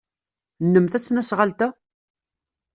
Nnem tesnasɣalt-a?